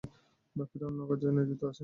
বাকিরা অন্য কাজে নিয়োজিত আছেন।